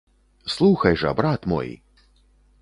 Слухай жа, брат мой!